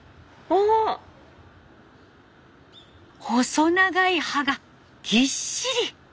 細長い葉がぎっしり！